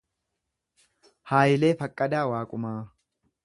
Hayilee Faqqadaa Waaqumaa